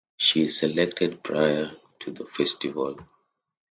She is selected prior to the festival.